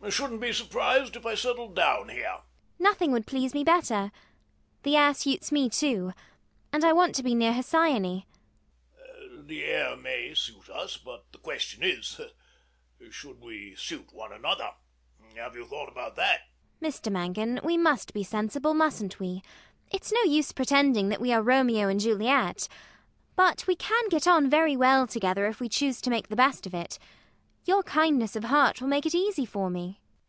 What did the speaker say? I shouldn't be surprised if I settled down here. ELLIE. Nothing would please me better. The air suits me too. And I want to be near Hesione. MANGAN [with growing uneasiness]. The air may suit us; but the question is, should we suit one another? Have you thought about that? ELLIE. Mr Mangan, we must be sensible, mustn't we? It's no use pretending that we are Romeo and Juliet. But we can get on very well together if we choose to make the best of it. Your kindness of heart will make it easy for me.